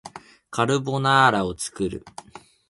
カルボナーラを作る